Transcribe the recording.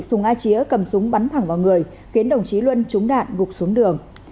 sùng a chía cầm súng bắn thẳng vào người khiến đồng chí luân trúng đạn gục xuống đường